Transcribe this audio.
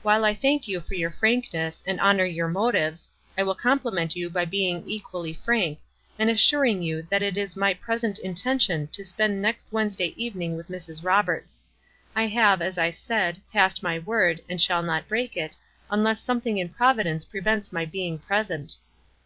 While I thank you for your frankness, and honor your motives, I will compliment you by being equally frank, and assuring you that it is my present intention to spend next Wednesday evening with Mrs. Roberts. I have, as I said, passed my word, and shall not break it, unles9 something in Providence prevents my being present."